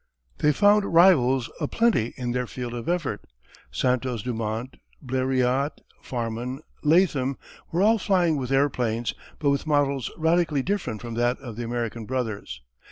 They found rivals a plenty in their field of effort. Santos Dumont, Bleriot, Farman, Latham were all flying with airplanes, but with models radically different from that of the American brothers.